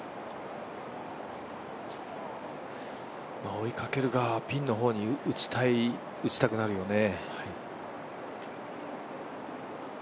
追いかける側はピンの方に打ちたくなるよね。